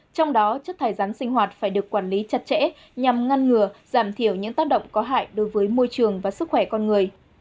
trong đó chất thải rắn sinh hoạt phải được quản lý chặt chẽ nhằm ngăn ngừa giảm thiểu những tác động có hại đối với môi trường và sức khỏe con người